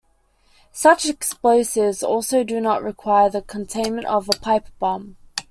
Such explosives also do not require the containment of a pipe bomb.